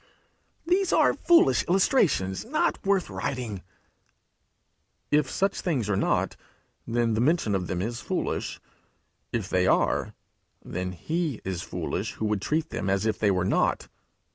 'These are foolish illustrations not worth writing!' If such things are not, then the mention of them is foolish. If they are, then he is foolish who would treat them as if they were not.